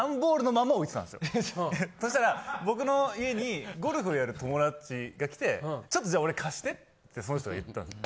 そしたら僕の家にゴルフをやる友達が来てちょっとじゃあ俺貸してってその人が言ったんですよ。